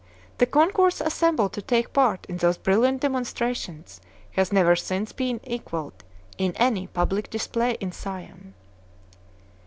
The concourse assembled to take part in those brilliant demonstrations has never since been equalled in any public display in Siam.